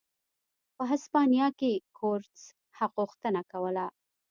په هسپانیا کې کورتس غوښتنه کوله.